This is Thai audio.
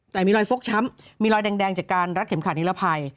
แต่มีรอยฟกช้ำมีรอยแดงจากการรัดเข็มขัดนิรภัย